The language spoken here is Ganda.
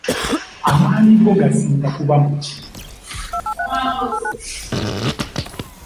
Amaanyi go gasinga kuba mu ki?